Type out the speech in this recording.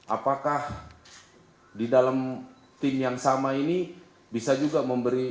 apakah di dalam tim yang sama ini bisa juga memberi